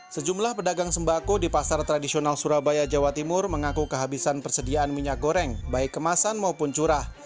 sejumlah pedagang sembako di pasar tradisional surabaya jawa timur mengaku kehabisan persediaan minyak goreng baik kemasan maupun curah